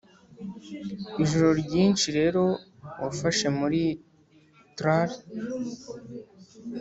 ijoro ryinshi rero wafashe muri trall